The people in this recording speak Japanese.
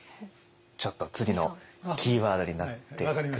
ちょっと次のキーワードになっていく。